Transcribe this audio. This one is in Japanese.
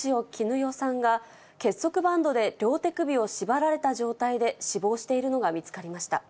与さんが、結束バンドで両手首を縛られた状態で、死亡しているのが見つかりました。